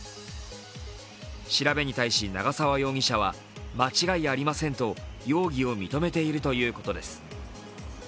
調べに対し長沢容疑者は間違いありませんと容疑を認めているということです。